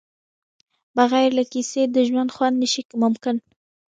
بغیر له کیسې د ژوند خوند نشي ممکن.